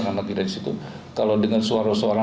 kalau tidak disitu kalau dengar suara suara